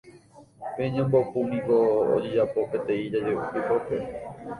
Pe ñembopupúniko ojejapo peteĩ japepópe